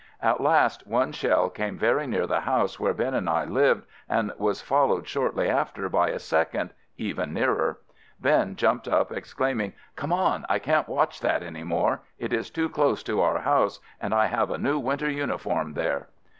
At last, one shell came very near the house where Ben and I lived and was followed shortly after by a second, even nearer. Ben jumped up exclaiming, "Come on. I can't watch that any more; it is too close to our house and I have a new winter uniform there."